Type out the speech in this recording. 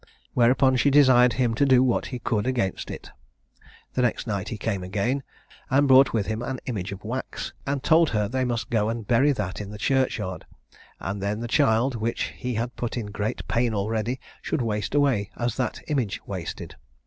Whereupon she desired him to do what he could against it. The next night he came again, and brought with him an image of wax, and told her they must go and bury that in the church yard, and then the child, which he had put in great pain already, should waste away as that image wasted.